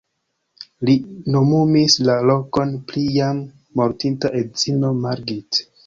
Li nomumis la lokon pri jam mortinta edzino Margit.